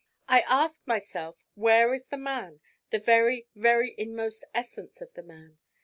I ask myself, where is the man, the very, very inmost essence of the man?